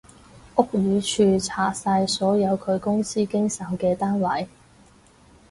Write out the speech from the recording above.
屋宇署查晒所有佢公司經手嘅單位